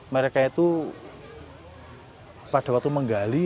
mereka itu pada waktu menggali